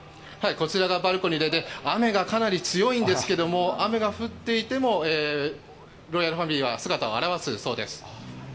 こちらがバルコニーで雨がかなり強いんですが雨が降っていてもロイヤルファミリーは姿を現すそうです。